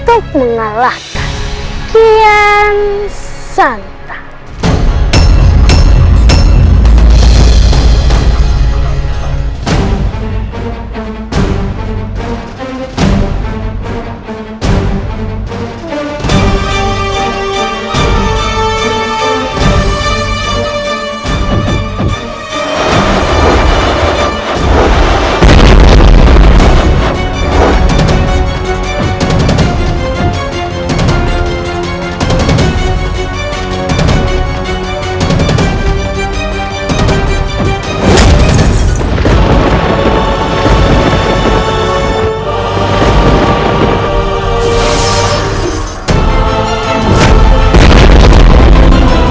agar aku tidak tertandingi